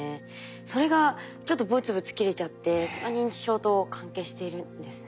それがちょっとブツブツ切れちゃってそれが認知症と関係しているんですね。